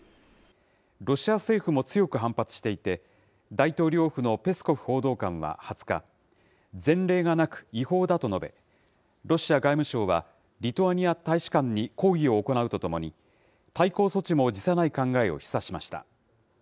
ロシア政府も強く反発していて、大統領府のペスコフ報道官は２０日、前例がなく違法だと述べ、ロシア外務省は、リトアニア大使館に抗議を行うとともに、対抗措置も辞さない考えを示唆しました。